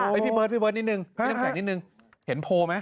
พี่เบิร์ดนิดนึงนิดนึงเห็นโพลไหม